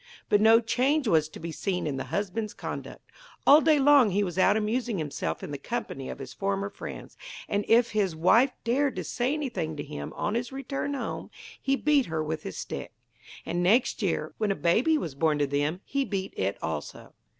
But no change was to be seen in the husband's conduct. All day long he was out amusing himself in the company of his former friends, and if his wife dared to say anything to him on his return home he beat her with his stick. And next year, when a baby was born to them, he beat it also.